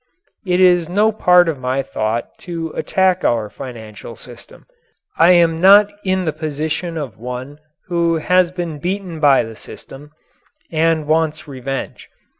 It is no part of my thought to attack our financial system. I am not in the position of one who has been beaten by the system and wants revenge.